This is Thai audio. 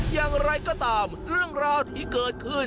อย่างไรก็ตามเรื่องราวที่เกิดขึ้น